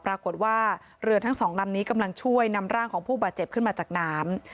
ปรากฏว่าเรือทั้งสองลำนี้กำลังช่วยนำร่างของผู้บาดเจ็บขึ้นมาจากน้ำ